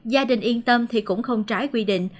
gia đình yên tâm thì cũng không trái quy định